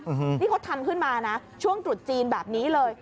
นี่เขาทำขึ้นมานะช่วงตรุษจีนแบบนี้เลย